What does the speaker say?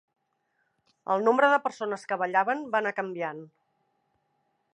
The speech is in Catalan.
El nombre de persones que ballaven va anar canviant.